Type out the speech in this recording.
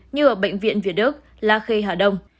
như ở bệnh viện việt đức la khê hà đông